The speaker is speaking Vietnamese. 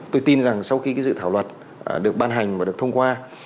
tôi tin rằng sau khi dự thảo luật được ban hành và được thông qua